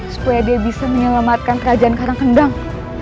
supaya dia bisa menyelamatkan kerajaan karangkendang